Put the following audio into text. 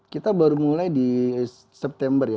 kita baru mulai di september ya